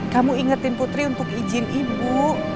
kamu ingetin putri untuk izin ibu